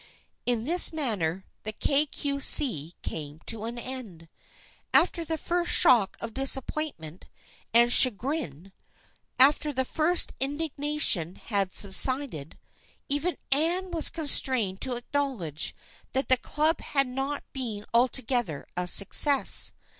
In this manner the Kay Cue See came to an end. After the first shock of disappointment and chagrin, after the first indignation had subsided, even Anne was constrained to acknowledge that the Club had not been altogether a success.